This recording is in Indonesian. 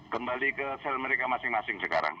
kembali ke sel mereka masing masing sekarang